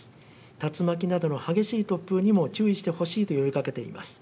竜巻などの激しい突風にも注意してほしいと呼びかけています。